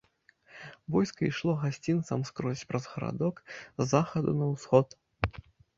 Войска ішло гасцінцам скрозь праз гарадок, з захаду на усход.